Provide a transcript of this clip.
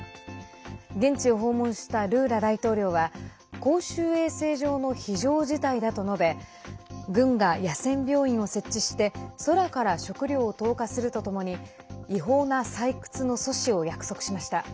現地を訪問したルーラ大統領は公衆衛生上の非常事態だと述べ軍が野戦病院を設置して空から食料を投下するとともに違法な採掘の阻止を約束しました。